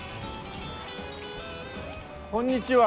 こんにちは。